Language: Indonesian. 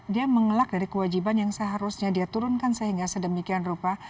dia mengelak dari kewajiban yang seharusnya dia turunkan sehingga sedemikian rupa